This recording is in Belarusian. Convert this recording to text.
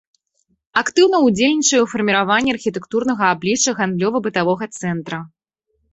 Актыўна ўдзельнічае ў фарміраванні архітэктурнага аблічча гандлёва-бытавога цэнтра.